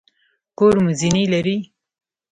کور مو زینې لري؟